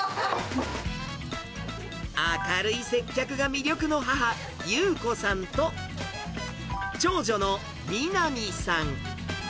明るい接客が魅力の母、裕子さんと、長女のみなみさん。